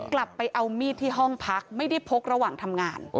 กลับไปเอามีดที่ห้องพักไม่ได้พกระหว่างทำงาน